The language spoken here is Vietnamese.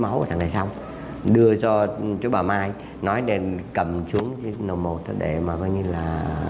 máu của thằng này xong đưa cho chú bà mai nói nên cầm xuống chứ nồng một thế để mà coi như là